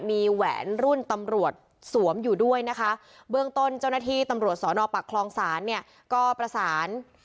มีแหวนรุ่นตำรวจสวมอยู่ด้วยนะคะ